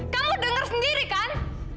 kamu dengar sendiri kan